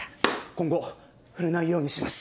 今後触れないようにします。